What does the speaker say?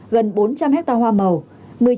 gần bốn trăm linh hecta hoa màu